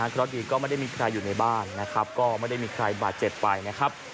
เพราะดีก็ไม่ได้มีใครอยู่ในบ้านนะครับก็ไม่ได้มีใครบาดเจ็บไปนะครับ